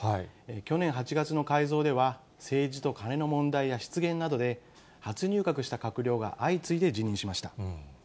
去年８月の改造では、政治とカネの問題や失言などで、初入閣した閣僚が相次いで辞任しました。